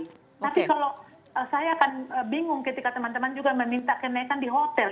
tapi kalau saya akan bingung ketika teman teman juga meminta kenaikan di hotel